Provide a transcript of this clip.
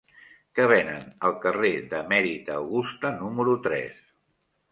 Què venen al carrer d'Emèrita Augusta número tres?